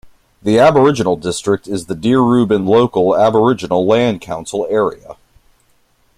The Aboriginal district is the Deerubbin Local Aboriginal Land Council Area.